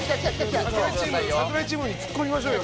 櫻井チーム櫻井チームに突っ込みましょうよ